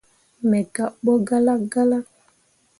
Me gabɓo galla galla.